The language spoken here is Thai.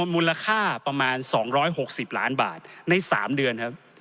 มูลค่าประมาณ๒๖๐ล้านบาทใน๓เดือนครับ